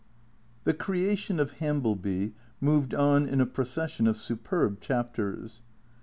XV THE creation of Hambleby moved on in a procession of superb chapters.